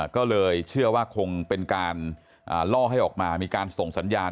ก็เลยเชื่อว่าคงเป็นการล่อให้ออกมามีการส่งสัญญาณ